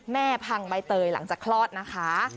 พังใบเตยหลังจากคลอดนะคะ